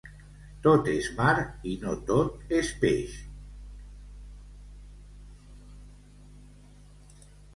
Tot és mar i no tot és peix.